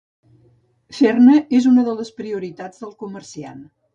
Fer-ne és una de les prioritats del comerciant.